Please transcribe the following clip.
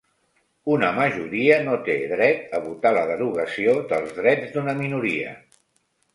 Una majoria no té dret a votar la derogació dels drets d'una minoria.